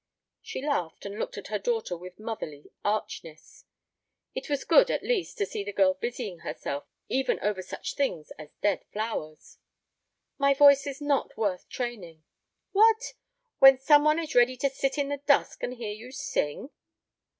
She laughed and looked at her daughter with motherly archness. It was good, at least, to see the girl busying herself even over such things as dead flowers. "My voice is not worth training." "What! When some one is ready to sit in the dusk and hear you sing?"